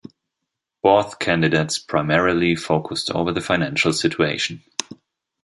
Both candidates primarily focused over the financial situation.